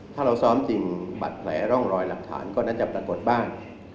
ถ้าเราซ้อมจริงบัตรแผลร่องรอยหลักฐานก็น่าจะปรากฏบ้าง